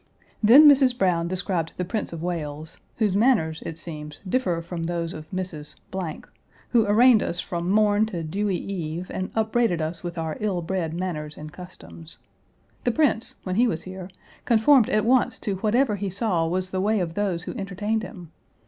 Then Mrs. Browne described the Prince of Wales, whose manners, it seems, differ from those of Mrs. , who arraigned us from morn to dewy eve, and upbraided us with our ill bred manners and customs. The Prince, when he was here, conformed at once to whatever he saw was the way of those who entertained him.